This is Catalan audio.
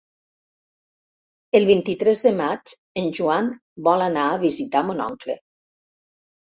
El vint-i-tres de maig en Joan vol anar a visitar mon oncle.